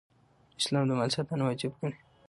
اسلام د مال ساتنه واجب ګڼي